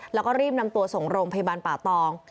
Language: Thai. แล้วก็รีบนำตัวส่งโรงพยาบาลป่าตอง